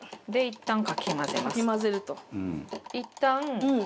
いったん。